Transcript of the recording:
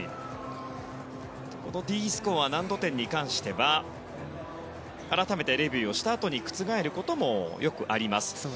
このＤスコア、難度点に関しては改めてレビューしたあとに覆ることもよくあります。